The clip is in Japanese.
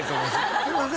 すいません。